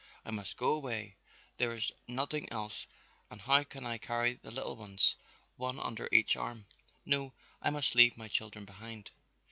I must go away, there is noding else and how can I carry the little ones, one under each arm? No, I must leave my children behind."